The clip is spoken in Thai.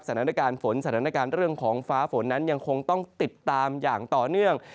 สถานการณ์ฝนสถานการณ์เรื่องของฟ้าฝนนั้นยังคงต้องติดตามอย่างต่อเนื่อง